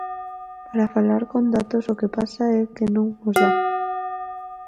Para falar con datos, o que pasa é que non os dá.